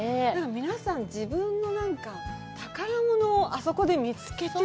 皆さん自分のなんか、宝物をあそこで見つけてる。